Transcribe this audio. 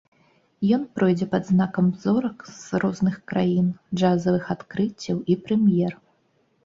Ён пройдзе пад знакам зорак з розных краін, джазавых адкрыццяў і прэм'ер.